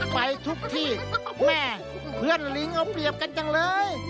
ไปทุกที่แม่เพื่อนลิงเอาเปรียบกันจังเลย